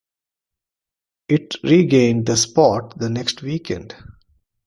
It regained the spot the next weekend.